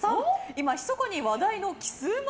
今、ひそかに話題のキスうま